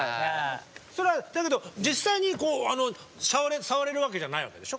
それはだけど実際にあの触れるわけじゃないわけでしょ？